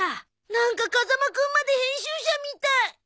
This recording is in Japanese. なんか風間くんまで編集者みたい。